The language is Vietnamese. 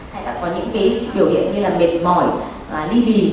hay là có những cái biểu hiện như là mệt mỏi ly bì